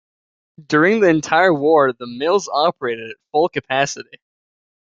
During the entire war the mills operated at full capacity.